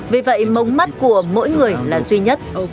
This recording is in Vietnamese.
vì vậy mống mắt của mỗi người là duy nhất